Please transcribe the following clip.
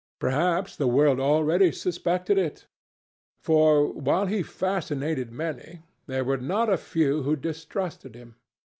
Perhaps the world already suspected it. For, while he fascinated many, there were not a few who distrusted him.